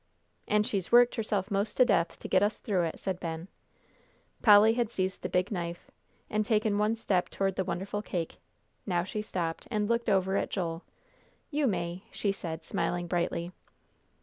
"And she's worked herself most to death to get us through it," said Ben. Polly had seized the big knife, and taken one step toward the wonderful cake. Now she stopped, and looked over at Joel. "You may," she said, smiling brightly.